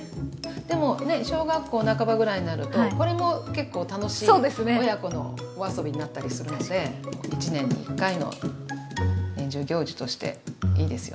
でもね小学校半ばぐらいになるとこれも結構楽しい親子のお遊びになったりするので１年に１回の年中行事としていいですよね。